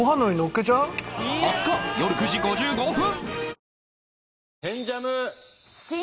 ２０日よる９時５５分！